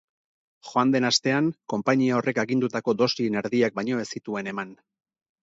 Joan den astean, konpainia horrek agindutako dosien erdiak baino ez zituen eman.